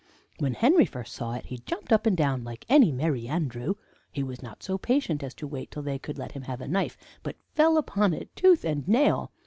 "When Henry first saw it, he jumped up and down like any Merry Andrew. He was not so patient as to wait till they could let him have a knife, but fell upon it tooth and nail.